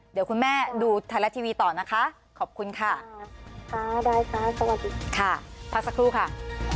เดี๋ยวคุณแม่ดูไทยรัฐทีวีต่อนะคะขอบคุณค่ะได้จ้าสวัสดีค่ะพักสักครู่ค่ะ